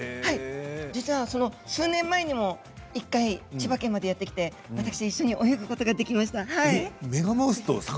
実は数年前にも１回千葉県までやって来て一緒に泳いだことがあるんです。